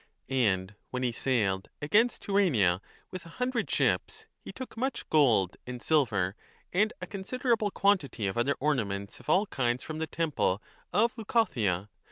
1 And when he sailed against Tyrrhenia with a hundred ships he took much gold and silver and a considerable quantity of other ornaments of all kinds from the temple of Leucothea.